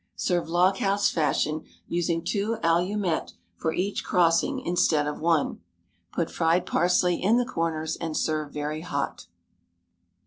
Serve log house fashion, using two allumettes for each crossing instead of one; put fried parsley in the corners, and serve very hot.